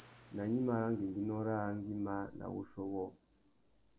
Nà gnima râ ngüéngüinô râā nguimá na wuchiô wôō ?